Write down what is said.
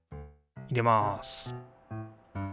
入れます